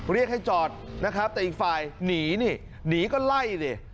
เรียกให้จอดนะครับแต่อีกฝ่ายหนีนี่หนีก็ไล่ดิ